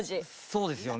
そうですよね。